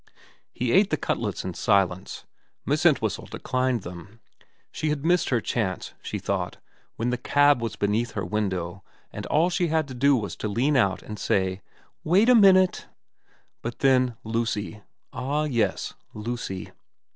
He ate the cutlets in silence. Miss Entwhistle declined them. She had missed her chance, she thought, when the cab was beneath her window and all she had to do was to lean out and say, * Wait a minute.' But then Lucy, ah yes, Lucy.